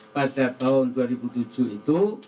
pada tahun dua ribu tujuh itu